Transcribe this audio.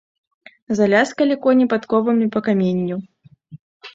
Заляскалі коні падковамі па каменню.